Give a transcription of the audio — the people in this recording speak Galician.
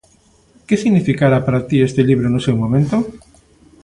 Que significara para ti este libro no seu momento?